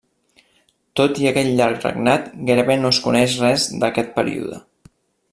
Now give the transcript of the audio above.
Tot i aquest llarg regnat gairebé no es coneix res d'aquest període.